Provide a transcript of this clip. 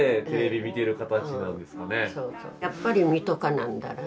やっぱり見とかなんだらね。